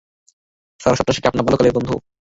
Sir, সন্ত্রাসীরা কি আপনার বাল্যকালের বন্ধু?